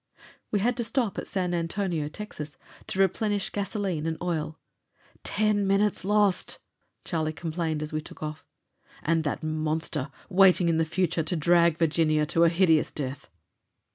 We had to stop at San Antonio, Texas, to replenish gasoline and oil. "Ten minutes lost!" Charlie complained as we took off. "And that monster waiting in the future to drag Virginia to a hideous death!"